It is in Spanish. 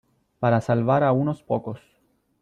para salvar a unos pocos .